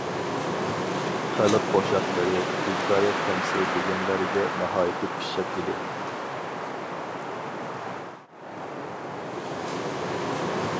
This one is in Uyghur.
خەلق قوشاقلىرى، ھېكايە تەمسىل دېگەنلەرگە ناھايىتى پىششىق ئىدى.